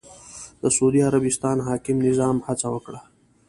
د سعودي عربستان حاکم نظام هڅه وکړه